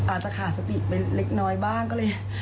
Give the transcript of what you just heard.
อาจจะขาดสติไปเล็กน้อยบ้างก็เลย